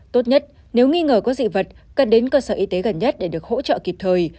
tốt nhất nếu nghi ngờ có dị vật cần đến cơ sở y tế gần nhất để được hỗ trợ kịp thời